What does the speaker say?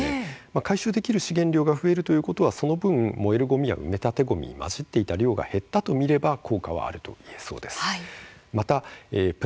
回収できる資源量は増えるということはその分、燃えるごみ埋め立てごみに混じっていた量が減ったという効果があるといえます。